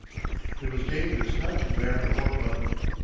It was dangerous not to wear a war button.